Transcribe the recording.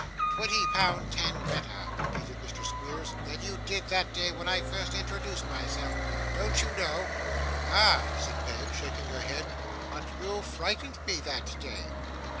'Twenty pound ten better,' repeated Mr. Squeers, 'than you did that day when I first introduced myself. Don't you know?' 'Ah!' said Peg, shaking her head, 'but you frightened me that day.